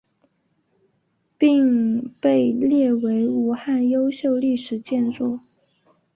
并被列为武汉优秀历史建筑。